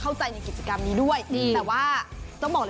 เอ้าเจนเตอร์เมนต์มาแล้วล่ะ